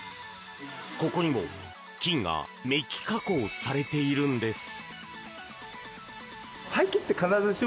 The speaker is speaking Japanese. ここにも金がメッキ加工されているんです。